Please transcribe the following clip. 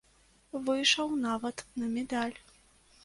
Выйшаў нават на медаль.